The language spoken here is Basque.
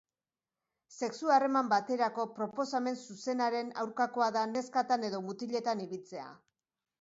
Sexu-harreman baterako proposamen zuzenaren aurkakoa da neskatan edo mutiletan ibiltzea.